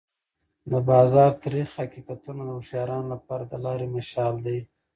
د بازار تریخ حقیقتونه د هوښیارانو لپاره د لارې مشال دی.